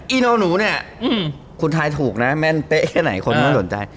อีโนหนูเนี่ยคุณถ่ายถูกนะแม่นเต๊ะแค่ไหนคนไม่ต้องห่วงใจ